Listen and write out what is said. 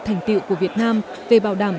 thành tựu của việt nam về bảo đảm